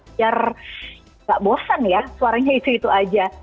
biar gak bosan ya suaranya itu itu aja